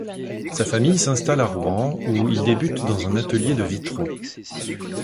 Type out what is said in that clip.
Sa famille s'installe à Rouen où il débute dans un atelier de vitraux.